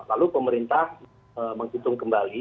lalu pemerintah menghitung kembali